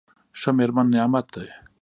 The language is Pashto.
ښه مېرمن نعمت دی.